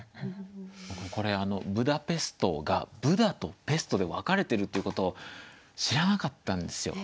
これブダペストが「ブダ」と「ペスト」で分かれてるっていうことを知らなかったんですよ。